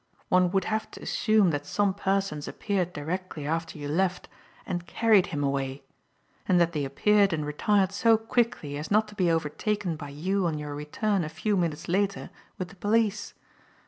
One would have to assume that some persons appeared directly after you left and carried him away; and that they appeared and retired so quickly as not to be overtaken by you on your return a few minutes later with the police.